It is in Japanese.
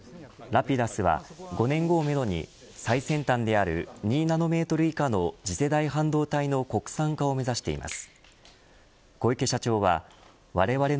Ｒａｐｉｄｕｓは５年後をめどに最先端である２ナノメートル以下の次世代半導体の国産化を目指しています。